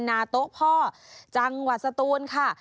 นาโต๊ะพ่อจังหวัดสตูนค่ะ